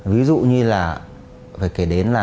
ví dụ như là